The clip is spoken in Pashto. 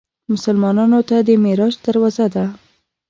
مسلمانانو ته د معراج دروازه ده.